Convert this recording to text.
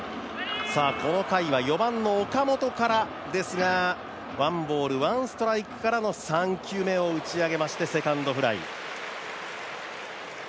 この回は４番の岡本からですがワンボール、ワンストライクからの３球目を打ち上げましてセカンドフライ。